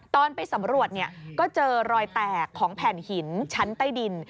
ตอนไปสำรวจก็เจอรอยแตกของแผ่นหินชั้นใต้ดิน